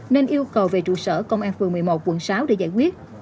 nên yêu cầu về trụ sở công an phường một mươi một quận sáu để giải quyết